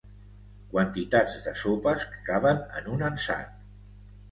Quantitats de sopes que caben en un ansat.